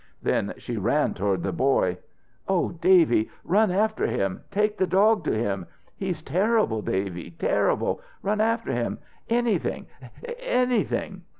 Then she ran toward the boy. "Oh, Davy! run after him. Take the dog to him. He's terrible, Davy, terrible! Run after him anything anything!"